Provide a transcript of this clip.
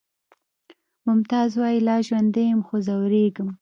ممتاز وایی لا ژوندی یم خو ځورېږم